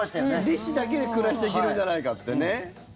利子だけで暮らしていけるんじゃないかってね。